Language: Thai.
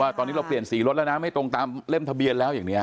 ตอนนี้เราเปลี่ยนสีรถแล้วนะไม่ตรงตามเล่มทะเบียนแล้วอย่างนี้